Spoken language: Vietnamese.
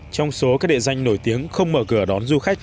trong số các địa danh nổi tiếng không mở cửa đón du khách